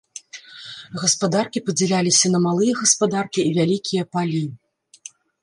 Гаспадаркі падзяляліся на малыя гаспадаркі і вялікія палі.